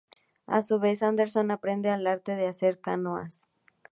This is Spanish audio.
A su vez, Anderson aprende el arte de hacer canoas.